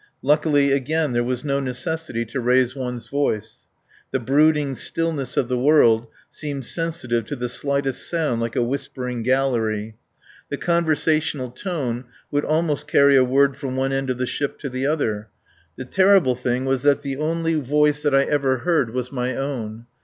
Luckily, again, there was no necessity to raise one's voice. The brooding stillness of the world seemed sensitive to the slightest sound, like a whispering gallery. The conversational tone would almost carry a word from one end of the ship to the other. The terrible thing was that the only voice that I ever heard was my own.